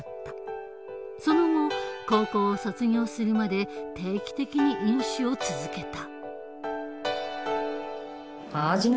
その後高校を卒業するまで定期的に飲酒を続けた。